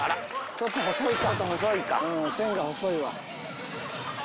ちょっと細いか。